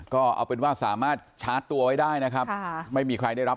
ก็เอาเป็นว่าสามารถชาร์จตัวไว้ได้นะครับไม่มีใครได้รับ